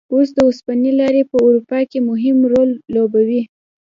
اوس د اوسپنې لارې په اروپا کې مهم رول لوبوي.